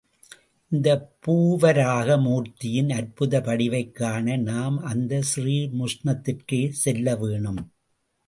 இந்த பூவராக மூர்த்தியின் அற்புத வடிவைக் காண நாம் அந்த ஸ்ரீ முஷ்ணத்திற்கே செல்ல வேணும்.